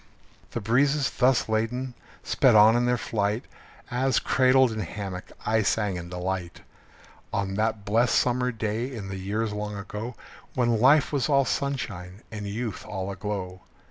The breezes, thus ladened, sped on in their flight, As, cradled in hammock, I sang in delight, On that blest summer day in the years long ago, When life was all sunshine and youth all aglow.